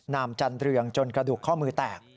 มจันเรืองจนกระดูกข้อมือแตก